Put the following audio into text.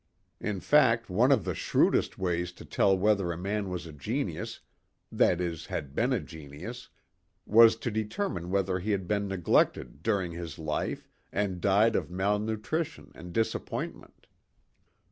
In fact one of the shrewdest ways to tell whether a man was a genius that is, had been a genius was to determine whether he had been neglected during his life and died of malnutrition and disappointment.